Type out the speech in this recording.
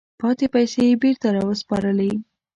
پاتې پیسې یې بیرته را وسپارلې.